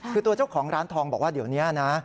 คือตัวเจ้าของร้านทองบอกว่าเดี๋ยวนี้นะ